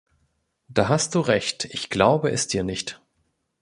Da hast du Recht, ich glaube es dir nicht.